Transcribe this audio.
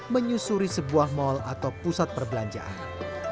menyusuri sebuah mal atau pusat perbelanjaan